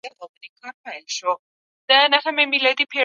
هغه څېړنه چي اړتیا ولري ګټوره ده.